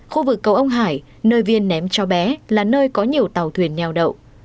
khu vực cầu ông hải nơi viên ném cho bé là nơi có nhiều tàu thuyền neo đậu